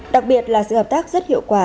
đặc biệt là sự hợp tác rất hiệu quả